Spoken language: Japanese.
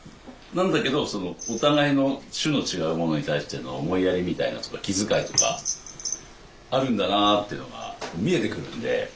なんだけどお互いの種の違うものに対しての思いやりみたいな気遣いとかあるんだなっていうのが見えてくるんで。